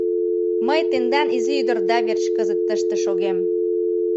Мый тендан изи ӱдырда верч кызыт тыште шогем.